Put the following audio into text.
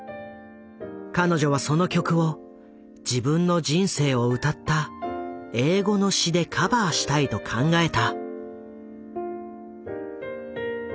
彼女はその曲を自分の人生を歌った英語の詞でカバーしたいと考えた。